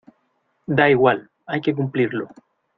da igual, hay que cumplirlo.